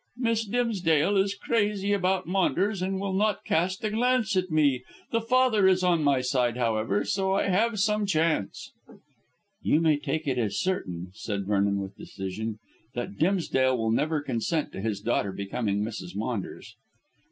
"Miss Dimsdale is crazy about Maunders, and will not cast a glance at me. The father is on my side, however, so I have some chance." "You may take it as certain," said Vernon with decision, "that Dimsdale will never consent to his daughter becoming Mrs. Maunders."